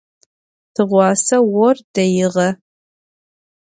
Tığuase vor deiğe.